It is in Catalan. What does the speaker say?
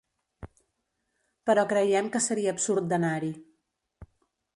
Però creiem que seria absurd d’anar-hi.